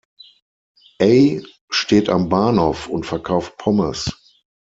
Ey steht am Bahnhof und verkauft Pommes.